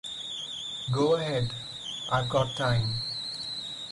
Go ahead, I've got time.